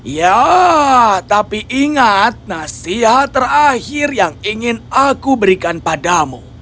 ya tapi ingat nasihat terakhir yang ingin aku berikan padamu